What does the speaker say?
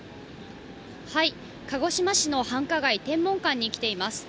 鹿児島市の繁華街、天文館に来ています。